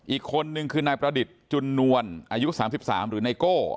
อีกคนนึงคือนายประดิษฐ์จุนนวลอายุ๓๓หรือไนโก้